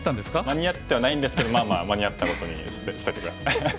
間に合ってはないんですけどまあまあ間に合ったことにしといて下さい。